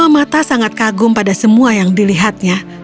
dua mata sangat kagum pada semua yang dilihatnya